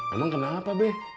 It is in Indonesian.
emang kenapa be